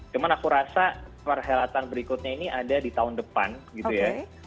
cuma aku rasa perhelatan berikutnya ini ada di tahun depan gitu ya